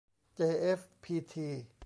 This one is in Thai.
จีเอฟพีที